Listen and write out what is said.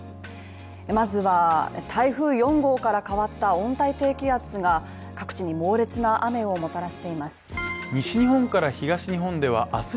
まずは台風４号から変わった温帯低気圧が各地に猛烈な雨をもたらしています。